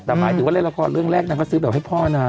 แต่หมายถึงว่าเล่นละครเรื่องแรกนางก็ซื้อแบบให้พ่อนาง